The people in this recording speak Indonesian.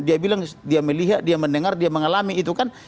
dia bilang dia melihat dia mendengar dia mengalami itu kan